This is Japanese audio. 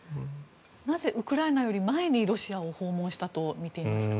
なぜウクライナより前にロシアを訪問したとみていますか？